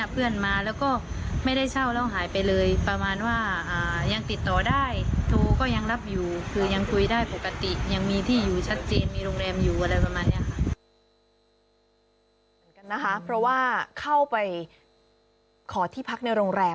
เพราะว่าเข้าไปขอที่พักในโรงแรม